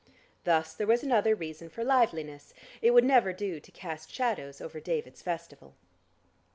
Thus there was another reason for liveliness; it would never do to cast shadows over David's festival.